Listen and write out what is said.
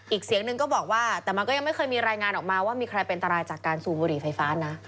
อีกเสียงหนึ่งก็บอกว่าแต่มันก็ยังไม่เคยมีรายงานออกมาว่ามีใครเป็นอันตรายจากการสูบบุหรี่ไฟฟ้านะ